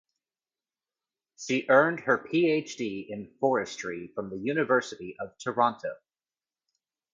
She earned her PhD in Forestry from the University of Toronto.